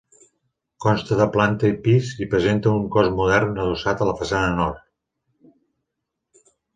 Consta de planta i pis i presenta un cos modern adossat a la façana Nord.